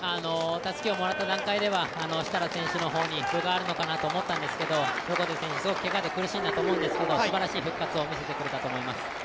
たすきをもらった段階では、設楽選手の方に分があるのかなと思ったんですけど横手選手、すごくけがで苦しんだと思いますけどすばらしい復活を見せてくれたと思います。